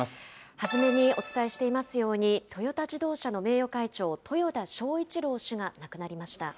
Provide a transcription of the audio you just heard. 初めにお伝えしていますように、トヨタ自動車の名誉会長、豊田章一郎氏が亡くなりました。